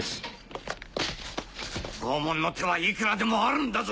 拷問の手はいくらでもあるんだぞ！